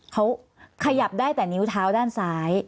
เขาขยับได้แต่นิ้วเท้าด้านซ้าย